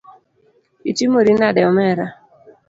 Itimori nade omera.